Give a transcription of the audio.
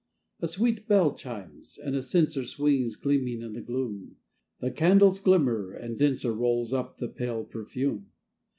A sweet bell chimes; and a censer Swings, gleaming, in the gloom; The candles glimmer and denser Rolls up the pale perfume.